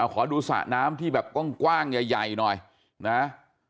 ขอดูสระน้ำที่แบบกว้างใหญ่หน่อยนะ